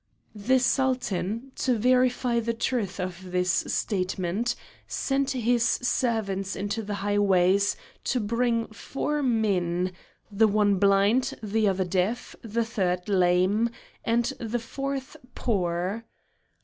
The Sultan, to verify the truth of this statement, sent his servants into the highways to bring four men, the one blind, the other deaf, the third lame, and the fourth poor.